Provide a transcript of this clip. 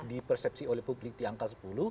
di persepsi oleh publik di angka sepuluh